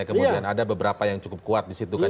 kemudian ada beberapa yang cukup kuat disitu kan